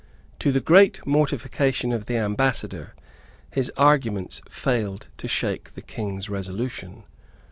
To the great mortification of the ambassador, his arguments failed to shake the King's resolution.